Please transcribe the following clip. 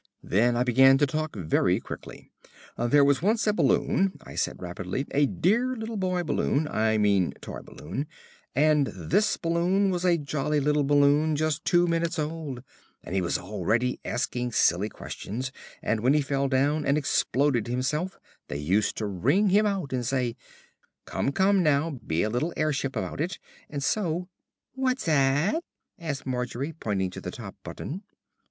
Then I began to talk very quickly. "There was once a balloon," I said rapidly, "a dear little boy balloon I mean toy balloon, and this balloon was a jolly little balloon just two minutes old, and he wasn't always asking silly questions, and when he fell down and exploded himself they used to wring him out and say, 'Come, come now, be a little airship about it,' and so " "What's 'at?" asked Margery, pointing to the top button.